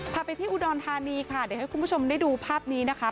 พาไปที่อุดรธานีค่ะเดี๋ยวให้คุณผู้ชมได้ดูภาพนี้นะคะ